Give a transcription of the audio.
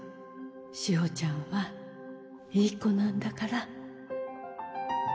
志保ちゃんはいい子なんだから。